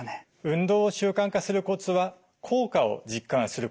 運動を習慣化するコツは効果を実感すること